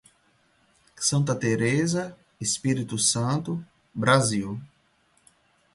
Santa Teresa, Espírito Santo, Brasil